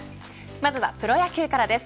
まずはプロ野球からです。